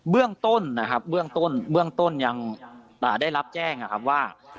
เบื้องต้นนะครับเบื้องต้นเบื้องต้นยังได้รับแจ้งนะครับว่า